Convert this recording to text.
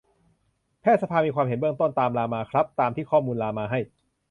แพทยสภามีความเห็นเบื้องต้น ตามรามาครับ ตามข้อมูลที่รามาให้